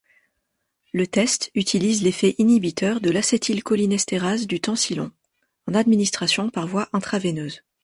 Le test utilise l'effet inhibiteur de l'acétylcholinestérase du Tensilon, en administration par voie intraveineuse.